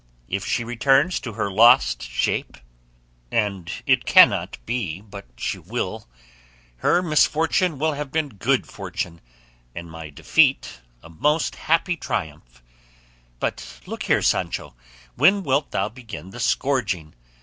If she returns to her lost shape (and it cannot be but that she will) her misfortune will have been good fortune, and my defeat a most happy triumph. But look here, Sancho; when wilt thou begin the scourging?